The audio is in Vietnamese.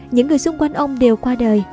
những người xung quanh ông đều qua đời